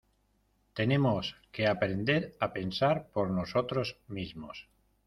Tenemos que aprender a pensar por nosotros mismos.